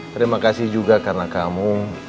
terima kasih juga karena kamu